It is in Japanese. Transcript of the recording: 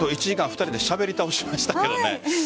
１時間２人でしゃべり倒しましたけどね。